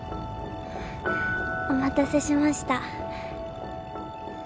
お待たせしました。